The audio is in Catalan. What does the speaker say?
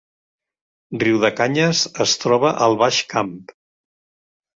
Riudecanyes es troba al Baix Camp